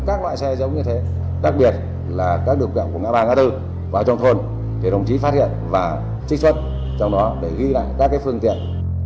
các loại xe dấu như thế đặc biệt là các đường gạo của ngã ba ngã bốn vào trong thôn để đồng chí phát hiện và trích xuất trong đó để ghi lại các phương tiện